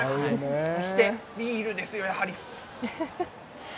そしてビールですよ、やはり。